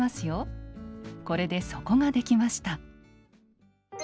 これで底ができました。